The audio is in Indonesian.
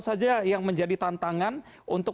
saja yang menjadi tantangan untuk